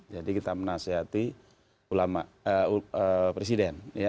jadi kita menasehati presiden